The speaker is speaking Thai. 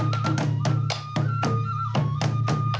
สวัสดีครับ